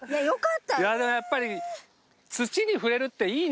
やっぱり土に触れるっていいね。